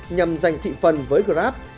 nhằm giành thị phần với grab